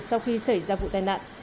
sau khi xảy ra vụ tai nạn